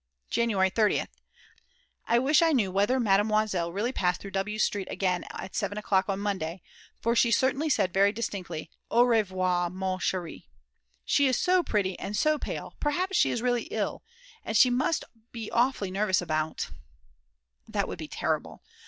January 30th. I wish I knew whether Mademoiselle really passed through W. Street again at 7 o'clock on Monday, for she certainly said very distinctly: "Au revoir, ma cherie!" She is so pretty and so pale; perhaps she is really ill, and she must be awfully nervous about That would be terrible.